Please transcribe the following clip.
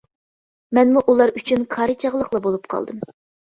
مەنمۇ ئۇلار ئۈچۈن كارى چاغلىقلا بولۇپ قالدىم.